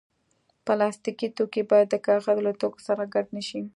پلاستيکي توکي باید د کاغذ له توکو سره ګډ نه شي.